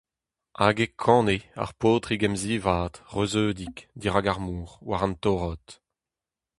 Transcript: Hag e kane, ar paotrig emzivad, reuzeudik, dirak ar mor, war an torrod :